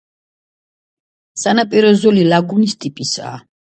სანაპირო ზოლი ლაგუნის ტიპისაა.